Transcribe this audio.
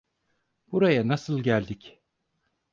Buraya nasıl geldik?